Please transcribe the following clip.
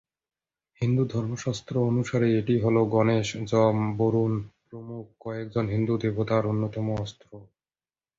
হিন্দু ধর্মশাস্ত্র অনুসারে, এটি হল গণেশ, যম, বরুণ প্রমুখ কয়েকজন হিন্দু দেবতার অন্যতম অস্ত্র।